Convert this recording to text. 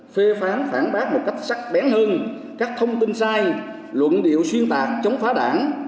phê phán phản bác một cách sắc bén hơn các thông tin sai luận điệu xuyên tạc chống phá đảng